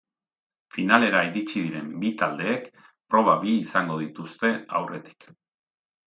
Finalera iritsi diren bi taldeek proba bi izango dituzte aurretik.